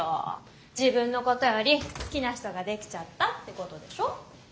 自分のことより好きな人ができちゃったってことでしょ？